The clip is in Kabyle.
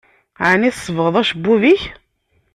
Aɛni tsebɣeḍ acebbub-ik?